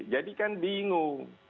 jadi kan bingung